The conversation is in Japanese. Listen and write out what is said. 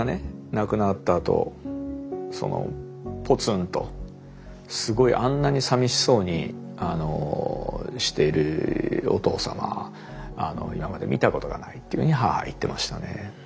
亡くなったあとポツンとすごいあんなにさみしそうにしているお父さんは今まで見たことがないっていうふうに母は言ってましたね。